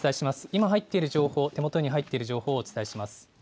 今入っている情報、手元に入っている情報をお伝えします。